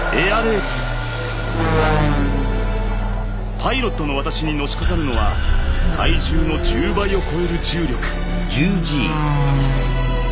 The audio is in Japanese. パイロットの私にのしかかるのは体重の１０倍を超える重力。